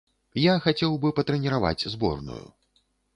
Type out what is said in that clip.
Я хацеў бы патрэніраваць зборную.